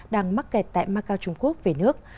đang mắc kẹt tại macau trung quốc về nước